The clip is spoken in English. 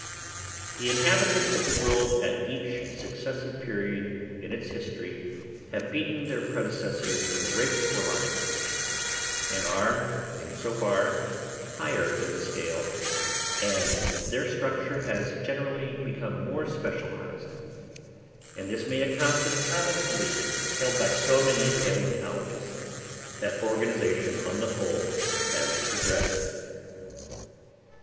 The inhabitants of the world at each successive period in its history have beaten their predecessors in the race for life, and are, in so far, higher in the scale, and their structure has generally become more specialised; and this may account for the common belief held by so many palæontologists, that organisation on the whole has progressed.